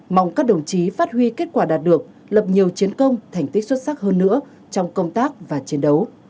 mong các đồng chí phát huy kết quả đạt được lập nhiều chiến công thành tích xuất sắc hơn nữa trong công tác và chiến đấu